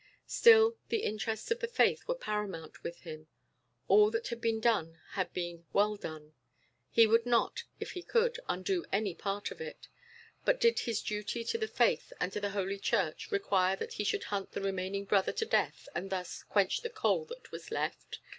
Still, the interests of the Faith were paramount with him. All that had been done had been well done; he would not, if he could, undo any part of it. But did his duty to the Faith and to Holy Church require that he should hunt the remaining brother to death, and thus "quench the coal that was left"?